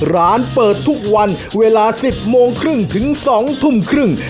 ร้านเปิดทุกวันเวลา๑๐โมงครึ่งถึง๒ทุ่มครึ่ง